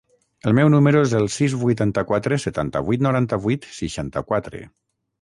El meu número es el sis, vuitanta-quatre, setanta-vuit, noranta-vuit, seixanta-quatre.